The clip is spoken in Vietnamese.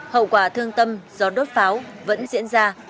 hậu quả thương tâm do đốt pháo vẫn diễn ra